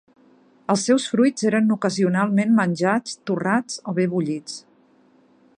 Els seus fruits eren ocasionalment menjats, torrats o bé bullits.